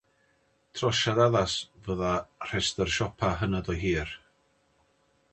Trosiad addas fyddai rhestr siopa hynod o hir.